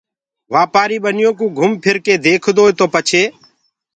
وآپآري ٻنيو ڪو گھم ڦر ڪي ديکدوئي تو پڇي